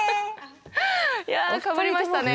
いやかぶりましたね。